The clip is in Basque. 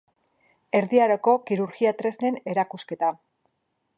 Erdi aroko kirurgia tresnen erakusketa.